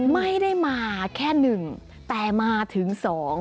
ไม่ได้มาแค่หนึ่งแต่มาถึงสอง